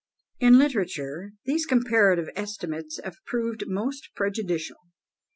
In literature, these comparative estimates have proved most prejudicial.